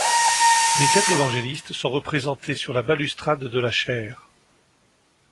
Les quatre Évangélistes sont représentés sur la balustrade de la chaire.